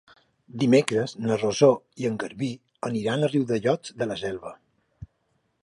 Dimecres na Rosó i en Garbí aniran a Riudellots de la Selva.